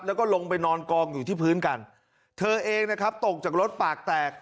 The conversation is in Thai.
แล้วก็ลงไปนอนกองอยู่ที่พื้นกันเธอเองนะครับตกจากรถปากแตก